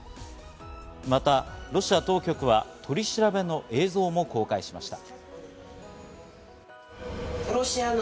またロシア当局は取り調べの映像も公開しました。